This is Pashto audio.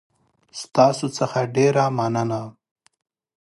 ستاسو څخه ډېره مننه